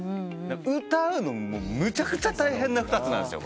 歌うのむちゃくちゃ大変な２つなんですよ